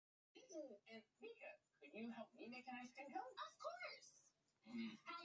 Not all sections, however, need to be present.